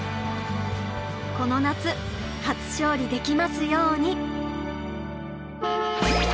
この夏初勝利できますように。